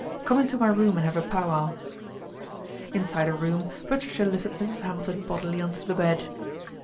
Come into my room and have a pow wow." Inside her room Patricia lifted Mrs. Hamilton bodily on to the bed.